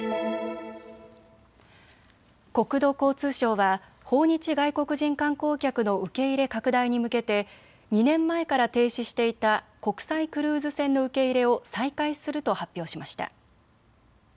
国土交通省は訪日外国人観光客の受け入れ拡大に向けて２年前から停止していた国際クルーズ船の受け入れを再開すると発表しました。